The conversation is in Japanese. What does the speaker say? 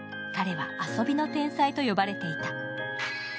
彼は、遊びの天才と呼ばれていた。